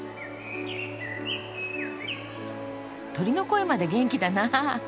鳥の声まで元気だなぁ。